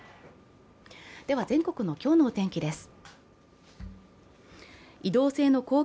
全国の今日のお天気です。